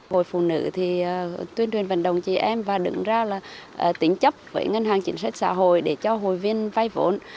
hội phụ nữ tuyên truyền vận động chị em và đứng ra tính chấp với ngân hàng chính sách xã hội để cho hội viên vây vốn